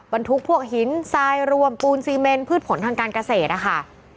บรรทุกพวกหินทรายรวมปูนซีเมนพืชผลทางการเกษตรนะคะ